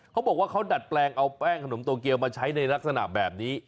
เขาบอกว่าเขาดัดแปลงเอาแป้งขนมโตเกียวมาใช้ในลักษณะแบบนี้